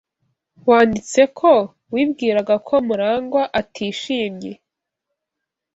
Wanditse ko wibwiraga ko Murangwa atishimye.